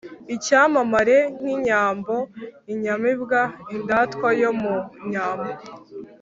icyamamare k’inyambo: inyamibwa, indatwa yo mu nyambo